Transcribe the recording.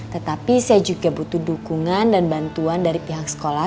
tetapi saya juga butuh dukungan dan bantuan dari pihak sekolah